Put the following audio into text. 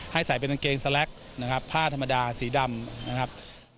ใส่เป็นกางเกงสแล็กนะครับผ้าธรรมดาสีดำนะครับ